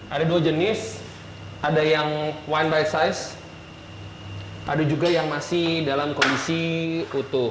ada dua jenis ada yang wine by size ada juga yang masih dalam kondisi utuh